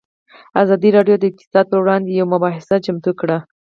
ازادي راډیو د اقتصاد پر وړاندې یوه مباحثه چمتو کړې.